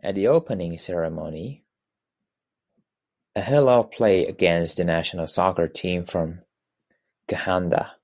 At the opening ceremony, al-Hilal played against the national soccer team from Ghana.